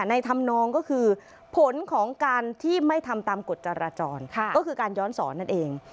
ธรรมนองก็คือผลของการที่ไม่ทำตามกฎจราจรก็คือการย้อนสอนนั่นเอง